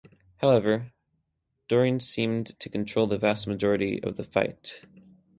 However, Dorin seemed to control the vast majority of the fight.